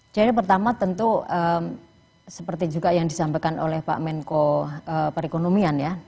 jadi pertama tentu seperti juga yang disampaikan oleh pak menko perekonomian ya